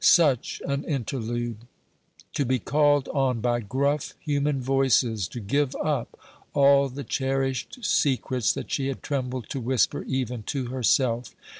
Such an interlude! to be called on by gruff human voices to give up all the cherished secrets that she had trembled to whisper even to herself.